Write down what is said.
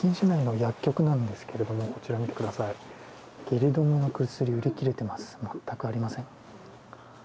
全くありません。